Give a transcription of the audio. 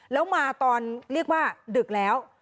แล้วมาตอนเรียกว่าดึกแล้ว